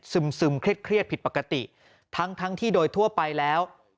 ซึมซึมเครียดผิดปกติทั้งที่โดยทั่วไปแล้ว